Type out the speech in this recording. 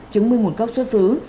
chứng minh một gốc xuất xứ